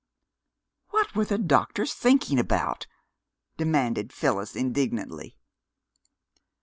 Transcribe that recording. "What were the doctors thinking about?" demanded Phyllis indignantly.